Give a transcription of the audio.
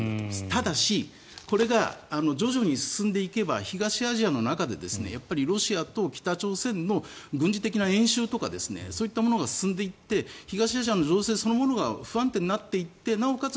ただし、これが徐々に進んでいけば東アジアの中でロシアと北朝鮮の軍事的な演習とかそういったものが進んでいって東アジアの情勢そのものが不安定になっていってなおかつ